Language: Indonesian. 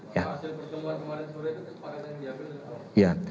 apa hasil pertemuan kemarin sore itu